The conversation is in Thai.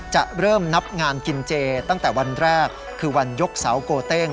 จะเริ่มนับงานกินเจตั้งแต่วันแรกคือวันยกเสาโกเต้ง